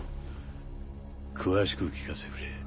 詳しく聞かせてくれ。